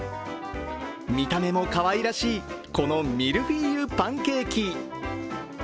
見た目もかわいらしいこのミルフィーユパンケーキ。